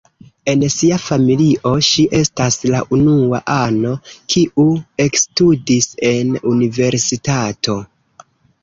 En sia familio ŝi estas la unua ano, kiu ekstudis en universitato.